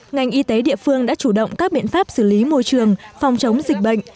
ngành y tế địa phương đã chủ động các biện pháp xử lý môi trường phòng chống dịch bệnh